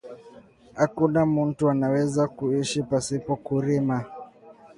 Akuna muntu ana weza ku ishi pashipo ku rima